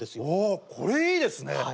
おおこれいいですね。